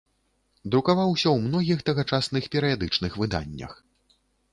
Друкаваўся ў многіх тагачасных перыядычных выданнях.